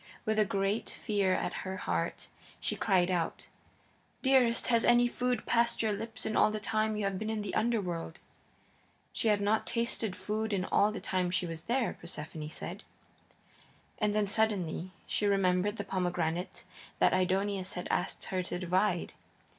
With a great fear at her heart she cried out: "Dearest, has any food passed your lips in all the time you have been in the Underworld?" She had not tasted food in all the time she was there, Persephone said. And then, suddenly, she remembered the pomegranate that Aidoneus had asked her to divide.